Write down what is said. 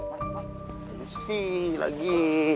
aduh si lagi